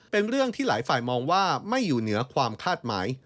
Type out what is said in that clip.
เป็นเรื่องที่หลายฝ่ายมองว่าไม่อยู่เหนือความคาดหมาย